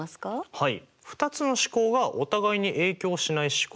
はい。